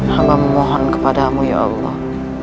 hama memohon kepadamu ya allah